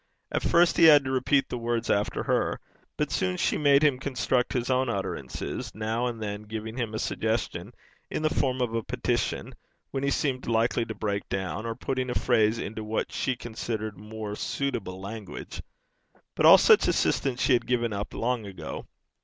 At first he had had to repeat the words after her; but soon she made him construct his own utterances, now and then giving him a suggestion in the form of a petition when he seemed likely to break down, or putting a phrase into what she considered more suitable language. But all such assistance she had given up long ago.